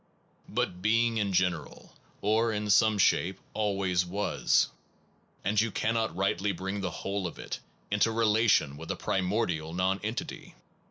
But being in general, or in some shape, always was, and you cannot rightly bring the whole of it into relation with a primordial non entity.